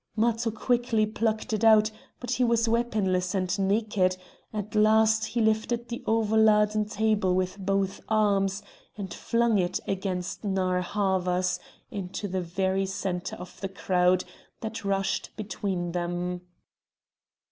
Matho quickly plucked it out; but he was weaponless and naked; at last he lifted the over laden table with both arms, and flung it against Narr' Havas into the very centre of the crowd that rushed between them.